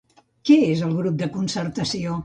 Què és el grup de Concertació?